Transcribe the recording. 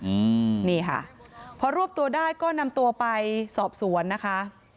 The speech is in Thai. อืมนี่ค่ะพอรวบตัวได้ก็นำตัวไปสอบสวนนะคะ